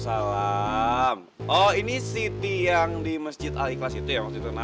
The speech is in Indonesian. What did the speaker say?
kalau gitu belajar lo lagi narasi mungkin ya